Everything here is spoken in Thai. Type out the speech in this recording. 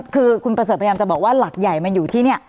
คือคุณประเสริฐพยายามจะบอกว่าหลักใหญ่มันอยู่ที่นี่